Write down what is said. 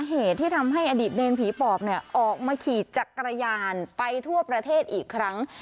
เหตุที่ทำให้อดีตเนรผีปอบเนี่ยออกมาขี่จักรยานไปทั่วประเทศอีกครั้ง